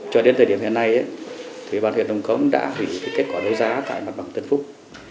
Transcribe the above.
cho đến thời điểm hiện nay thì ủy ban huyện nông cống đã hủy kết quả đấu giá tại mặt bằng tân phúc